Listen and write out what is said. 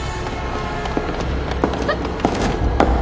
あっ。